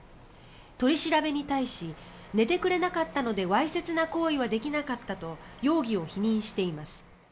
取り調べに対し寝てくれなかったのでわいせつな行為はできなかったと容疑を否認しています。